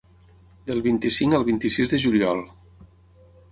Del vint-i-cinc al vint-i-sis de juliol.